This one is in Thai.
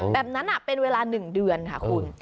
แบบนั้นเป็นเวลา๑เดือนค่ะคุณ